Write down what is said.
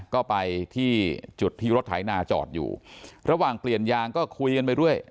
ก็ไปที่จุดที่รถไถนาจอดอยู่ระหว่างเปลี่ยนยางก็คุยกันไปเรื่อย